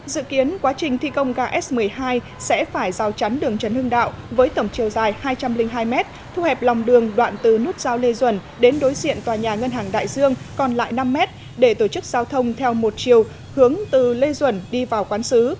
dự kiến quá trình thi công ga s một mươi hai sẽ phải rào chắn đường trần hưng đạo với tổng chiều dài hai trăm linh hai m thu hẹp lòng đường đoạn từ nút giao lê duẩn đến đối diện tòa nhà ngân hàng đại dương còn lại năm m để tổ chức giao thông theo một chiều hướng từ lê duẩn đi vào quán xứ